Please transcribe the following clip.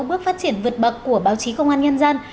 bước phát triển vượt bậc của báo chí công an nhân dân